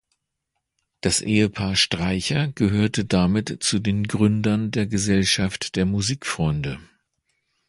Das Ehepaar Streicher gehörte damit zu den Gründern der Gesellschaft der Musikfreunde.